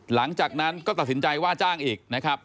หลังจากนั้นก็ตัดสินใจว่าจ้างอีกนะครับ